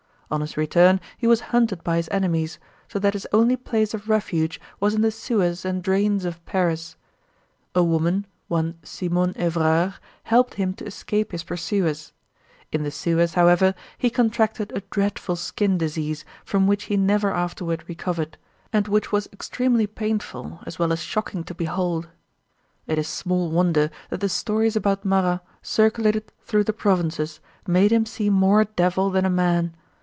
On his return he was hunted by his enemies, so that his only place of refuge was in the sewers and drains of Paris. A woman, one Simonne Evrard, helped him to escape his pursuers. In the sewers, however, he contracted a dreadful skin disease from which he never afterward recovered, and which was extremely painful as well as shocking to behold. It is small wonder that the stories about Marat circulated through the provinces made him seem more a devil than a man.